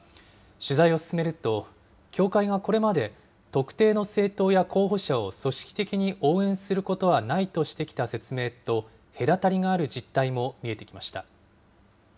取材を進めると、教会がこれまで、特定の政党や候補者を、組織的に応援することはないとしてきた説明と、隔たりがある実態も見えてきました。